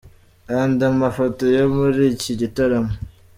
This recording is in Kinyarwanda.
Andi mafoto yo muri iki gitaramo:.